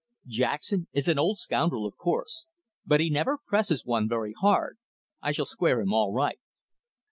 Jackson is an old scoundrel of course, but he never presses one very hard. I shall square him all right."